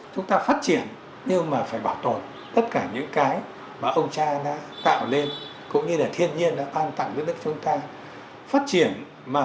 chúng ta phát triển nhưng mà phải bảo tồn tất cả những cái mà ông cha đã tạo lên cũng như là thiên nhiên đã an tặng nước nước chúng ta